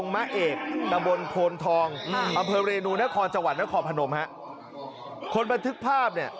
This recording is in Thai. แล้วปิดไฟอะไรมันจะเกิดขึ้น